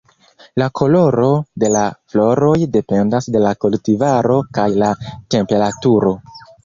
La koloro de la floroj dependas de la kultivaro kaj la temperaturo.